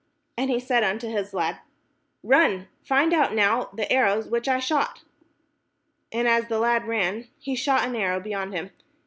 And he said unto his lad, "Run, find out now the arrows which I shoot." And as the lad ran, he shot an arrow beyond him.